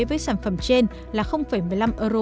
với sản phẩm trên là một mươi năm euro